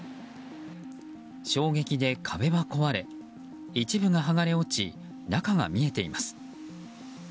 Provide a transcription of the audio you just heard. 衝撃で壁は壊れ一部が剥がれ落ち中が見えています。